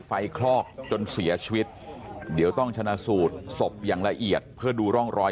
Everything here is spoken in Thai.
คลอกจนเสียชีวิตเดี๋ยวต้องชนะสูตรศพอย่างละเอียดเพื่อดูร่องรอย